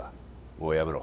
もうやめろ